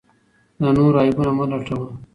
د نورو عیبونه مه لټوه.